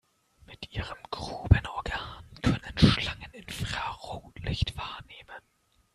Mit ihrem Grubenorgan können Schlangen Infrarotlicht wahrnehmen.